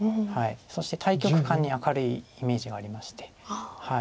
そして大局観に明るいイメージがありまして。